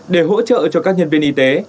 để hỗ trợ cho các nhân viên y tế